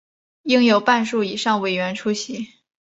应有半数以上委员出席